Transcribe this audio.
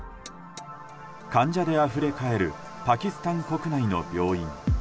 患者であふれ返るパキスタン国内の病院。